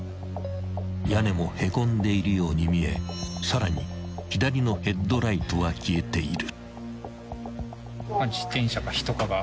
［屋根もへこんでいるように見えさらに左のヘッドライトは消えている］